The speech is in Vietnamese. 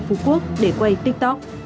phú quốc để quay tiktok